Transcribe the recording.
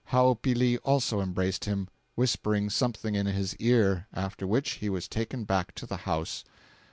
Hoapili also embraced him, whispering something in his ear, after which he was taken back to the house.